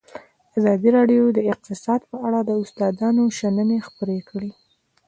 ازادي راډیو د اقتصاد په اړه د استادانو شننې خپرې کړي.